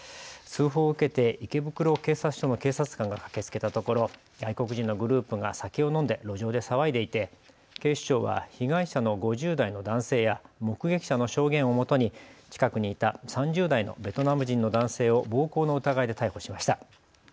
通報を受けて池袋警察署の警察官が駆けつけたところ外国人のグループが酒を飲んで路上で騒いでいて警視庁は被害者の５０代の男性や目撃者の証言をもとに近くにいた３０代のベトナム人の男性を暴行の疑いで逮捕しました。